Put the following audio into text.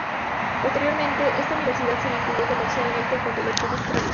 Posteriormente esta Universidad se vinculó comercialmente con Telecom Australia.